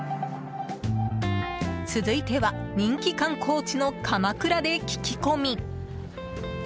続いては人気観光地の鎌倉で聞き込み。